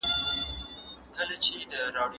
که ته د هر چا نظر ته ارزښت ورکړې نو ښه پرېکړه به وکړې.